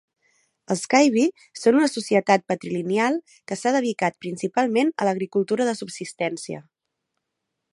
Els Kabye són una societat patrilineal que s'ha dedicat principalment a l'agricultura de subsistència.